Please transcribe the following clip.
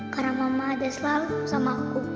karena mama ada selalu sama aku